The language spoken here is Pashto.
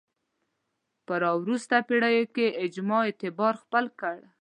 په راوروسته پېړیو کې اجماع اعتبار خپل کړ